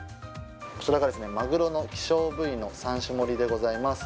こちらがマグロの希少部位の３種盛りでございます。